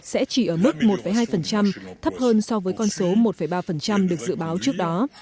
sẽ chỉ ở mức một hai thấp hơn so với con số một ba được dự báo trước đó